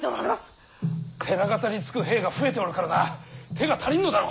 寺方につく兵が増えておるからな手が足りんのだろう。